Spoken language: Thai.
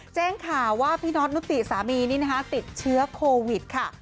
แจ้งข่าวว่าพี่น็อตนุติสามีนี่นะคะติดเชื้อโควิดค่ะ